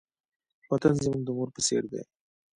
وطن زموږ د مور په څېر دی.